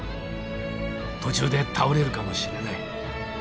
途中で倒れるかもしれない。